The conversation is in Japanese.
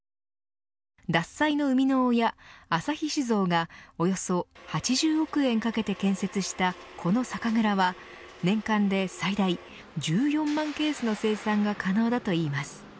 獺祭の生みの親、旭酒造がおよそ８０億円かけて建設したこの酒蔵は、年間で最大１４万ケースの生産が可能だといいます。